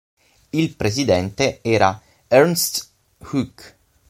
Il presidente era Ernst Hug.